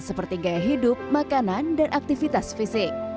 seperti gaya hidup makanan dan aktivitas fisik